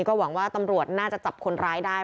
ก็หวังว่าตำรวจน่าจะจับคนร้ายได้